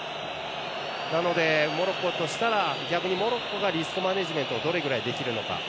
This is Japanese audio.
なので、モロッコとしたら逆にモロッコがリスクマネジメントをどのぐらいできるのか。